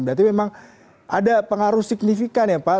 berarti memang ada pengaruh signifikan ya pak